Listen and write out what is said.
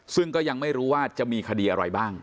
ซึ่งก็ยังไม่รู้ว่าจะมีคดีอะไรบ้าง